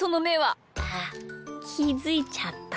あっきづいちゃった？